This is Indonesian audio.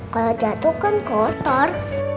kalau jatuh kan kotor